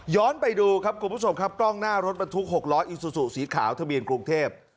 ไปดูครับคุณผู้ชมครับกล้องหน้ารถบรรทุก๖ล้ออีซูซูสีขาวทะเบียนกรุงเทพ